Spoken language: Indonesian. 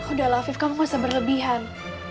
udah lah afif kamu nggak usah berlebihan